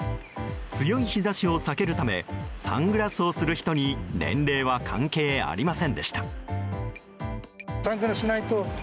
強い日差しを避けるためサングラスをする人に年齢は関係ありませんでした。